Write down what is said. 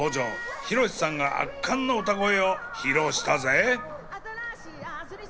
広瀬さんが圧巻の歌声を披露したぜ！